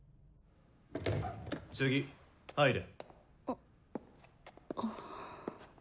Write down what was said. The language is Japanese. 次入れ。